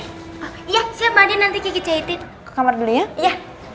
iya siap mbak nanti kita jahitin ke kamar dulu ya iya